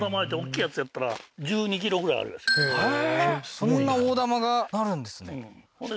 そんな大玉がなるんですね